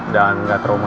dan gak trauma juga